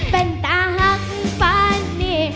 เป็นตาฮักฟ้านี่